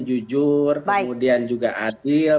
jujur kemudian juga adil